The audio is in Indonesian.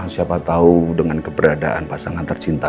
siapa tahu dengan keberadaan pasangan tercinta